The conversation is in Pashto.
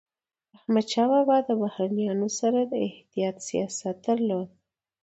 احمدشاه بابا د بهرنيانو سره د احتیاط سیاست درلود.